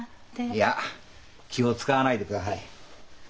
いや気を遣わないでください。